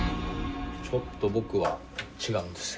ちょっと僕は違うんですよ。